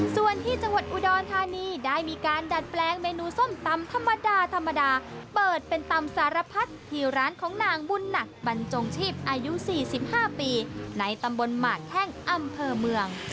ส่วนที่จังหวัดอุดรธานีได้มีการดัดแปลงเมนูส้มตำธรรมดาธรรมดาเปิดเป็นตำสารพัดที่ร้านของนางบุญหนักบรรจงชีพอายุ๔๕ปีในตำบลหมากแข้งอำเภอเมือง